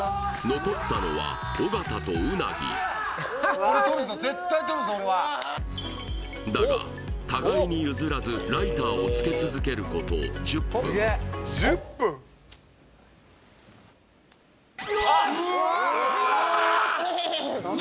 残ったのは尾形と鰻だが互いに譲らずライターをつけ続けること１０分よし！